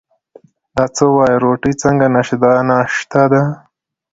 دا څه وایې، روټۍ څنګه نشته، دا ناشتا ده.